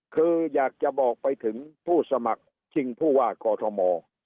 คืออยากจะบอกไปถึงผู้สมัครชิงผู้ว่ากอทม